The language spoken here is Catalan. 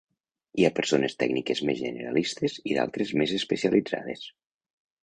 Hi ha persones tècniques més generalistes i d'altres més especialitzades.